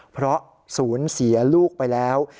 เพราะศูนย์เสียลูกไปแล้ว